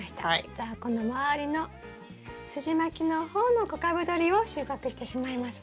じゃあこのまわりのすじまきの方の小株どりを収穫してしまいますね。